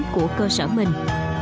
của cơ sở mình